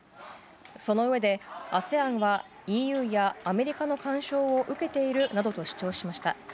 そのうえで、ＡＳＥＡＮはＥＵやアメリカの干渉を受けているなどと主張しました。